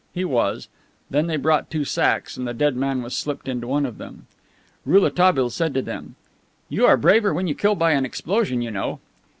He was. Then they brought two sacks and the dead man was slipped into one of them. Rouletabille said to them: "You are braver when you kill by an explosion, you know."